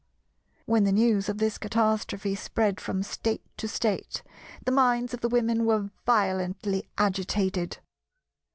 When the news of this catastrophe spread from State to State the minds of the Women were violently agitated.